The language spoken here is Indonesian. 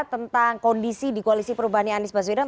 tentang kondisi di koalisi perubahan anies baswedang